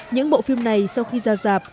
những bộ phim này sau khi ra rạp